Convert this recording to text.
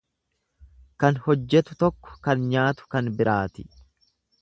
Kan hojjetu tokko kan nyaatu kan biraati.